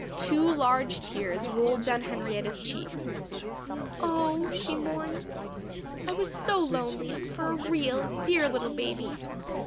Two large tears rolled down Henrietta's cheeks. "Oh," she mourned, "I was so lonely for a real, dear little baby."